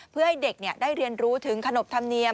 เพื่อให้เด็กได้เรียนรู้ถึงขนบธรรมเนียม